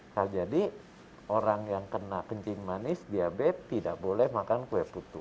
nah jadi orang yang kena kencing manis diabetes tidak boleh makan kue putu